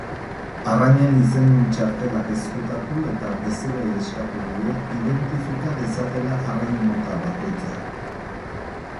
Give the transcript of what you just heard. Arrainen izendun txartelak ezkutatu eta bezeroei eskatu die identifika dezatela arrain mota bakoitza.